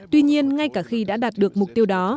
tuy nhiên ngay cả khi đã đạt được mục tiêu đó